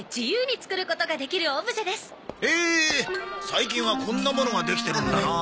最近はこんなものができてるんだなあ。